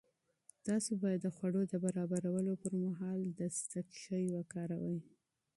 تاسو باید د خوړو د برابرولو پر مهال دستکشې وکاروئ.